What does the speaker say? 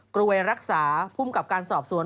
รวยรักษาภูมิกับการสอบสวน